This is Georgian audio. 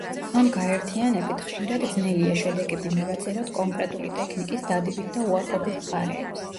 ამ გაერთიანებით, ხშირად ძნელია შედეგები მივაწეროთ კონკრეტული ტექნიკის დადებით და უარყოფით მხარეებს.